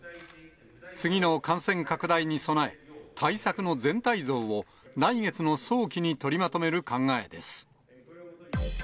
次の感染拡大に備え、対策の全体像を、来月の早期に取りまとめる考えです。